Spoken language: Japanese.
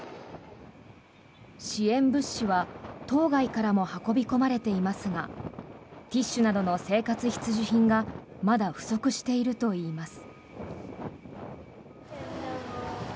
支援物資は島外からも運び込まれていますがティッシュなどの生活必需品がまだ不足しているといいます。